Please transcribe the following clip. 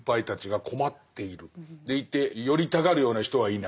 でいて寄りたがるような人はいない。